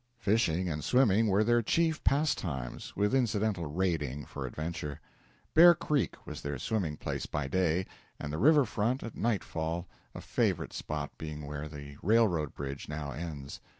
Fishing and swimming were their chief pastimes, with incidental raiding, for adventure. Bear Creek was their swimming place by day, and the river front at night fall a favorite spot being where the railroad bridge now ends.